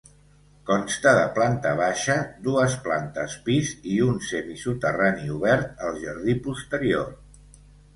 Consta de planta baixa, dues plantes pis i un semisoterrani obert al jardí posterior.